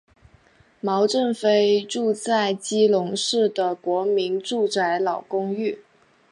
毛振飞住在基隆市的国民住宅老公寓。